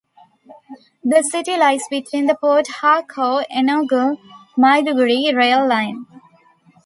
The city lies between the Port Harcourt-Enugu-Maiduguri rail line.